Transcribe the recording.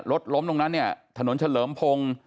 รถล้มตรงนั้นเนี่ยถนนเฉลิมพงศ์